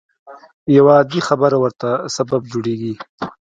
يوه عادي خبره ورته سبب جوړېږي.